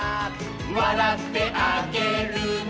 「わらってあげるね」